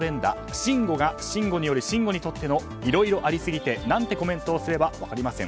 慎吾が慎吾による慎吾にとっての。色々ありすぎて、何てコメントをすればわかりません。